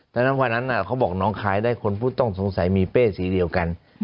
เพราะฉะนั้นเขาบอกน้องคลายได้คนผู้ต้องสงสัยมีเป้สีเหลียวกัน